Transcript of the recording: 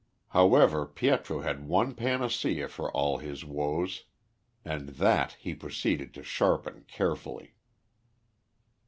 However, Pietro had one panacea for all his woes, and that he proceeded to sharpen carefully.